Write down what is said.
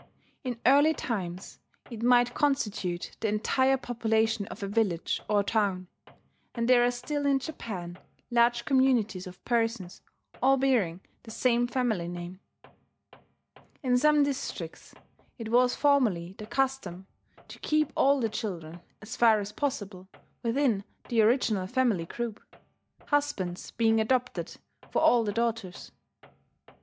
In early times it might constitute the entire population of a village or town; and there are still in Japan large communities of persons all bearing the same family name. In some districts it was formerly the custom to keep all the children, as far as possible, within the original family group husbands being adopted for all the daughters.